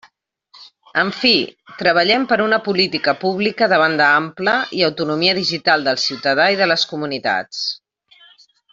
En fi, treballem per una política pública de banda ampla i autonomia digital del ciutadà i de les comunitats.